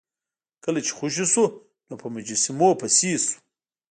کله چې خوشې شو نو په مجسمو پسې شو.